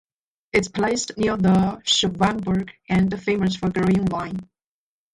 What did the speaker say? It's placed near the Schwanberg and famous for growing wine.